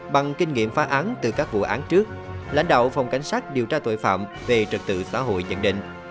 bằng kinh nghiệm phá án từ các vụ án trước lãnh đạo phòng cảnh sát điều tra tội phạm về trật tự xã hội nhận định